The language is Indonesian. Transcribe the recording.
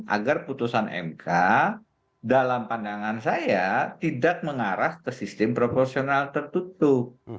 agar putusan mk dalam pandangan saya tidak mengarah ke sistem proporsional tertutup